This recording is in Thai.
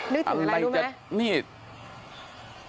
มึงนึกถึงอะไรรู้ไหม